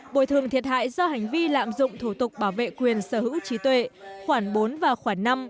bồi thường thiệt hại do hành vi lạm dụng thủ tục bảo vệ quyền sở hữu trí tuệ khoảng bốn và khoảng năm